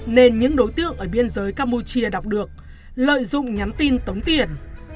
nên những đối tượng ở biên giới campuchia đọc được lợi dụng nhắn tin tống tiền